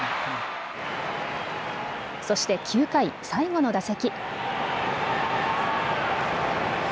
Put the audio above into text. そして９回、最後の打席。